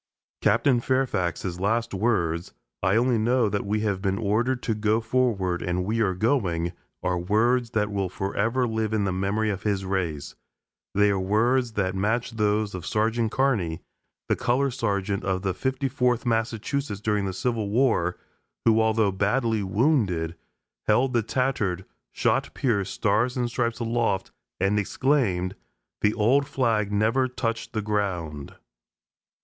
Captain Fairfax's last words, "I only know we have been ordered to go forward, and we are going," are words that will forever live in the memory of his race; they are words that match those of Sergeant Carney, the color sergeant of the 54th Massachusetts during the Civil War, who, although badly wounded, held the tattered, shot pierced Stars and Stripes aloft and exclaimed, "The old flag never touched the ground!"